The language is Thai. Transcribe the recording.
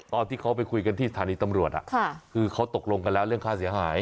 ตอนที่เขาไปคุยกันที่สถานีตำรวจคือเขาตกลงกันแล้วเรื่องค่าเสียหาย